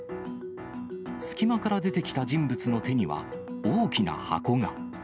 隙間から出てきた人物の手には、大きな箱が。